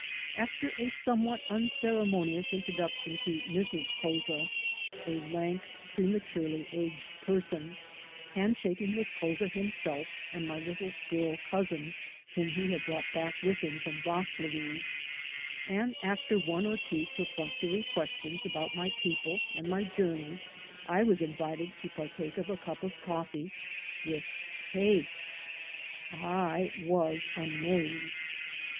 After a somewhat unceremonious introduction to Mrs. Couza — a lank, prematurely aged person — handshaking with Couza himself and my little girl cousin whom he had brought back with him from Vaslui, and after one or two perfunctory questions about my people and my jour ney, I was invited to partake of a cup of coffee with cake. I was amazed.